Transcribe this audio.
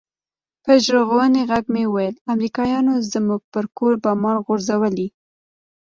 په ژړغوني ږغ مې وويل امريکايانو زموږ پر کور بمان غورځولي.